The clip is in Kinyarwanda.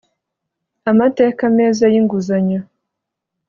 amateka meza y inguzanyo